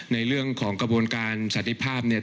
ในเรื่องของกระบวนการสันติภาพเนี่ย